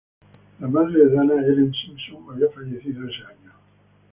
La madre de Dana, Helen Simpson había fallecido ese año.